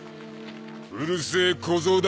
うるせえ小僧だよ